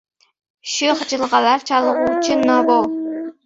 Sho‘x jilg‘alar chalguvchi navo.